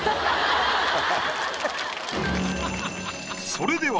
それでは。